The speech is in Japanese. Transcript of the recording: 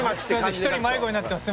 一人迷子になってます。